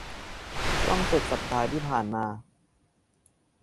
ช่วงสุดสัปดาห์ที่ผ่านมา